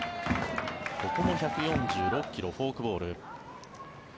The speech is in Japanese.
ここも１４６ｋｍフォークボール。